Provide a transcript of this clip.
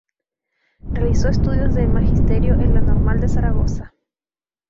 Realizó estudios de Magisterio en la Normal de Zaragoza.